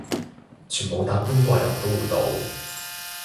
全部達官貴人都會到